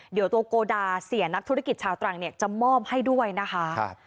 เดี๋ยวตัวโกดาเสียนักธุรกิจชาวตรังเนี่ยจะมอบให้ด้วยนะคะ